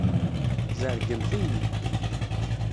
Tzerrgemt-iyi.